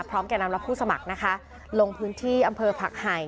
แก่นำและผู้สมัครนะคะลงพื้นที่อำเภอผักไห่